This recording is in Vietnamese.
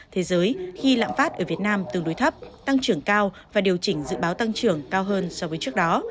thế giới khi lạm phát ở việt nam tương đối thấp tăng trưởng cao và điều chỉnh dự báo tăng trưởng cao hơn so với trước đó